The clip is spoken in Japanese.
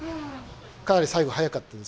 かなり最後速かったですけど。